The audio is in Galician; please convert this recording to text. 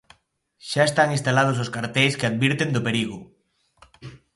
Xa están instalados os carteis que advirten do perigo.